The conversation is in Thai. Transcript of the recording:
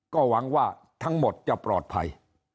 ก็หวังว่าทั้งหมดจะปลอดภัย